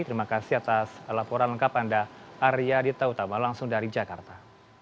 terima kasih atas laporan lengkap anda arya dita utama langsung dari jakarta